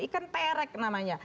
ikan perek namanya